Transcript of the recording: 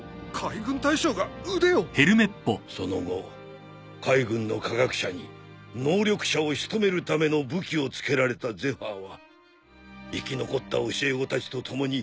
その後海軍の科学者に能力者を仕留めるための武器をつけられたゼファーは生き残った教え子たちと共に遊撃隊を組織。